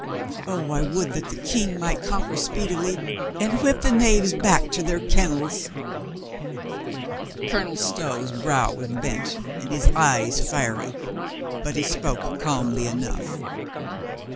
Oh, I would that the King might COLONEL STOW AGAIN INSPIRED 67 conquer speedily, and whip the knaves back to their kennels." Colonel Stow's brow was bent, and his eyes fiery, but he spoke calmly enough.